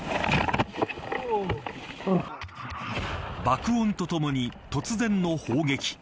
爆音とともに突然の砲撃。